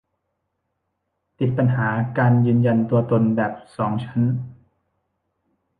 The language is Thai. ติดปัญหาการยืนยันตัวตนแบบสองชั้น